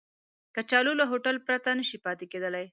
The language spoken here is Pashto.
کچالو له هوټل پرته نشي پاتې کېدای